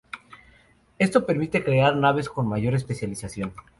Esto permite crear naves con una mayor especialización.